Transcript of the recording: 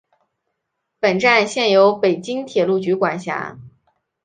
本站现由北京铁路局管辖。